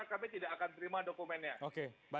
kami tidak akan terima dokumennya